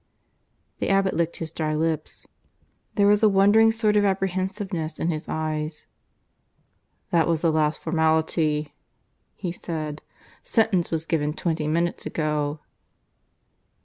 The abbot licked his dry lips; there was a wondering sort of apprehensiveness in his eyes. "That was the last formality," he said. "Sentence was given twenty minutes ago."